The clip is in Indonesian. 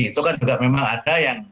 itu kan juga memang ada yang